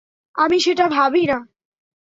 আমি সেটা ভাবি না।